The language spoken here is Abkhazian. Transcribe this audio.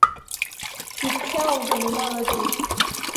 Игәхьааумган умал ыӡыр…